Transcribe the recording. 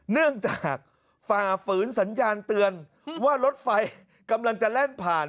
เนื่องจากฝ่าฝืนสัญญาณเตือนว่ารถไฟกำลังจะแล่นผ่าน